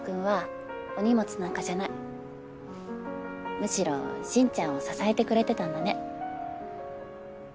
むしろ進ちゃんを支えてくれてたんだね。